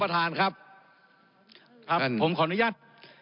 ประธานครับผมขออนุญาต